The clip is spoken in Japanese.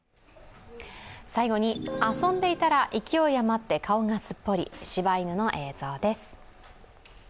最後に遊んでいたら勢い余って顔がすっぽり柴犬の映像です。